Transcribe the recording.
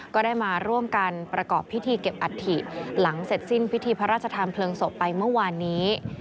ก็ได้มาร่วมกันประกอบพิธีเก็บอัฐิหลังเสร็จสิ้นพิธีพระราชทานเพลิงศพไปเมื่อวานนี้